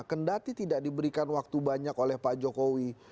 kendati tidak diberikan waktu banyak oleh pak jokowi